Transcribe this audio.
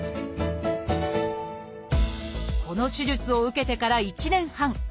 この手術を受けてから１年半。